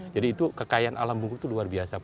jadi itu kekayaan alam bungkulu itu luar biasa